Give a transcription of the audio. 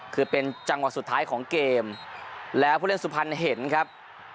คือเป็นจังหวะสุดท้ายของเกมแล้วผู้เล่นสุพรรณเห็นครับ